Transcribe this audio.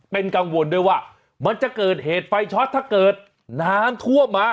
เป็นกังวลด้วยว่ามันจะเกิดเหตุไฟช็อตถ้าเกิดน้ำท่วมมา